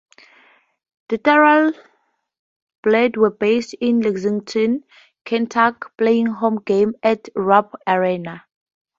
The Thoroughblades were based in Lexington, Kentucky, playing home games at Rupp Arena.